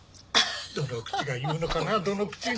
どの口が言うのかなどの口が。